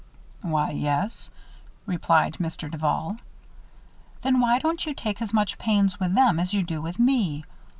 "Why, yes," replied Mr. Duval. "Then why don't you take as much pains with them as you do with me?